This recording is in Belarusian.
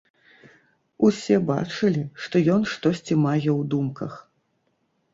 Усе бачылі, што ён штосьці мае ў думках.